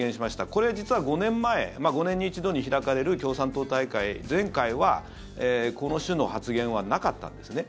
これ、実は５年前５年に一度開かれる共産党大会前回はこの種の発言はなかったんですね。